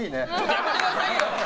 やめてくださいよ！